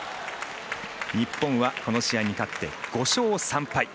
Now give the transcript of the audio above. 日本はこの試合に勝って５勝３敗。